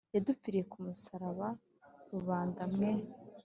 yadupfiriye ku musaraba. rubanda mwe